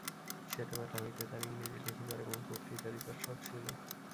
ছেলেবেলা হইতে তাঁর ইংরেজি লিখিবার এবং বক্তৃতা দিবার শখ ছিল।